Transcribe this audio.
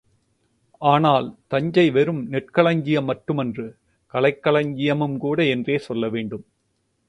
ஆனால், அதே தஞ்சை வெறும் நெற்களஞ்சியம் மட்டுமன்று, கலைக் களஞ்சியமும் கூட என்றே சொல்ல வேண்டும்.